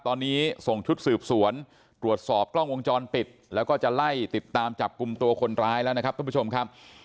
ตอนนี้ส่งชุดสืบสวนตรวจสอบกล้องวงจรปิดแล้วก็จะไล่ติดตามจับกลุ่มตัวคนร้ายแล้วนะครับท่านผู้ชมครับ